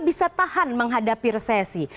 bisa tahan menghadapi resesi